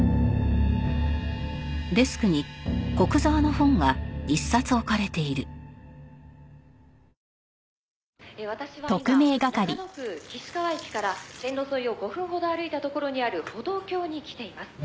「私は今中野区岸川駅から線路沿いを５分ほど歩いたところにある歩道橋に来ています」